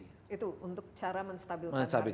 itu untuk cara menstabilkan harganya itu